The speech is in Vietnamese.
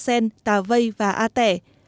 a sen tà vây và a tẻ